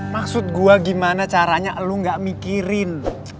maksud gue gimana caranya lu gak mikirin